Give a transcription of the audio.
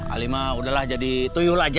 ali mah udahlah jadi tuyul aja